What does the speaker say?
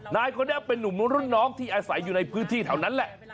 นายคนนี้เป็นนุ่มรุ่นน้องที่อาศัยอยู่ในพื้นที่แถวนั้นแหละ